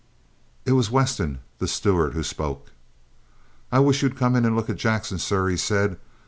It was Weston, the steward, who spoke. "I wish you'd come and look at Jackson, sir," he said.